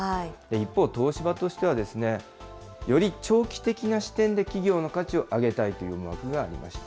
一方、東芝としては、より長期的な視点で企業の価値を上げたいという思惑がありました。